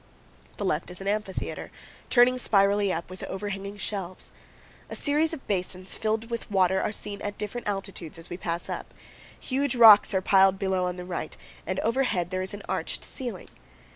The left is an amphitheater, turning spirally up, with overhanging shelves. A series of basins filled with water are seen at different altitudes as we pass up; huge rocks are piled below on the right, and overhead there is an arched ceiling.